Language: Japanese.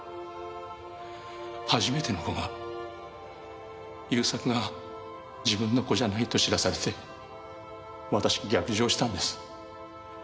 初めての子が勇作が自分の子じゃないと知らされて私逆上したんです。